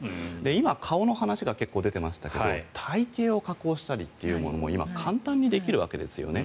今、顔の話が結構、出てましたけど体形を加工したりというものも今、簡単にできるわけですね。